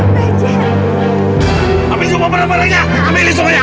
jangan lupa like share dan subscribe ya